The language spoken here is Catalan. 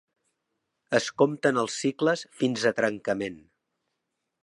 Es compten els cicles fins a trencament.